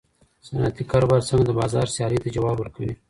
صنعتي کاروبار څنګه د بازار سیالۍ ته جواب ورکوي؟